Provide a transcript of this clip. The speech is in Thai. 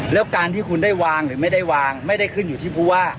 แล้วการที่คุณได้วางหรือไม่ได้วางไม่ได้ขึ้นอยู่ที่ผู้ว่า